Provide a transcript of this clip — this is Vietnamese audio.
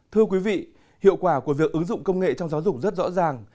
thưa quý vị hiệu quả của việc ứng dụng công nghệ trong giáo dục rất rõ ràng